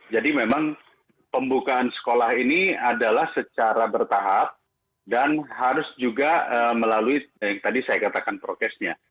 jadi memang pembukaan sekolah ini adalah secara bertahap dan harus juga melalui yang tadi saya katakan prokesnya